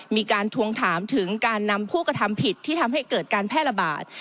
ทวงถามถึงการนำผู้กระทำผิดที่ทำให้เกิดการแพร่ระบาด